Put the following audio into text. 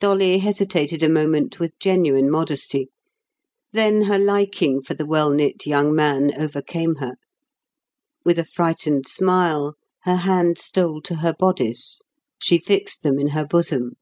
Dolly hesitated a moment with genuine modesty. Then her liking for the well knit young man overcame her. With a frightened smile her hand stole to her bodice; she fixed them in her bosom.